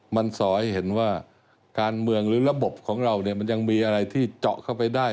มันสอให้เห็นว่าการเมืองหรือระบบของเราเนี่ยมันยังมีอะไรที่เจาะเข้าไปได้